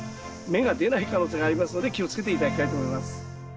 芽が出ない可能性がありますので気をつけて頂きたいと思います。